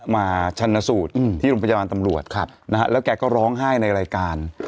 ชันสูตรที่โรงพยาบาลตำรวจแล้วแกก็ร้องไห้ในรายการ